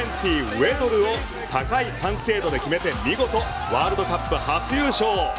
ウェドルを高い完成度で決めて見事ワールドカップ初優勝。